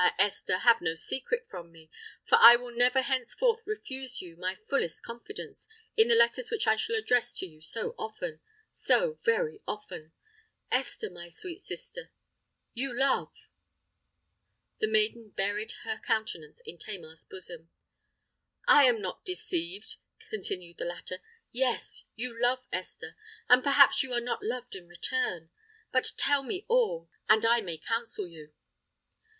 Esther, have no secret from me—for I will never henceforth refuse you my fullest confidence, in the letters which I shall address to you so often—so very often! Esther, my sweet sister—you love!" The maiden buried her countenance in Tamar's bosom. "I am not deceived!" continued the latter. "Yes—you love, Esther; and perhaps you are not loved in return? But tell me all, and I may counsel you."